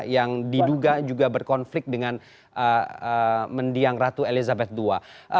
yang diduga juga berkonflik dengan mendiang ratu elizabeth ii